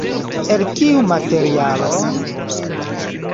El kiu materialo?